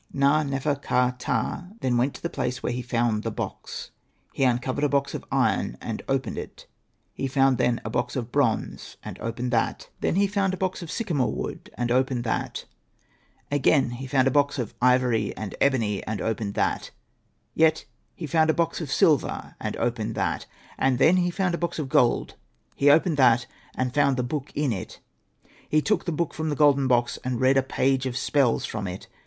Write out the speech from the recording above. '' Na.nefer.ka.ptah then went to the place where he found the box. He uncovered a box of iron, and opened it ; he found then a box of bronze, and opened that ; then he found Hosted by Google 100 SETNA AND THE MAGIC BOOK a box of sycamore wood, and opened that ; again, he found a box of ivory and ebony, and opened that ; yet, he found a box of silver, and opened that ; and then he found a box of gold ; he opened that, and found the book in it. He took the book from the golden box, and read a page of spells from it.